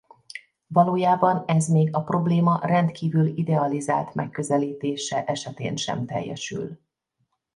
Valójában ez még a probléma rendkívül idealizált megközelítése esetén sem teljesül.